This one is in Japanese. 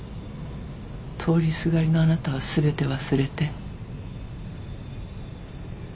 通りすがりのあなたは全て忘れて。